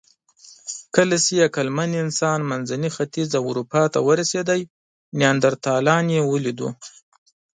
کله چې عقلمن انسان منځني ختیځ او اروپا ته ورسېد، نیاندرتالان یې ولیدل.